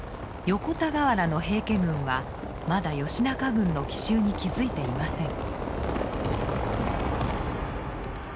横田河原の平家軍はまだ義仲軍の奇襲に気付いていません。